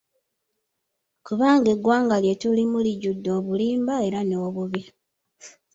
Kubanga eggwanga lye tulimu lijjudde obulimba era n'obubbi.